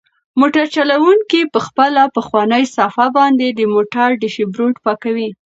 موټر چلونکی په خپله پخوانۍ صافه باندې د موټر ډشبورډ پاکوي.